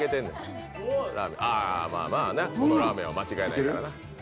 このラーメンは間違いないからな。